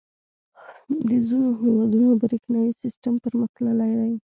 • د ځینو هېوادونو برېښنايي سیسټم پرمختللی دی.